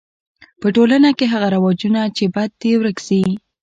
په ټولنه کی هغه رواجونه چي بد دي ورک سي.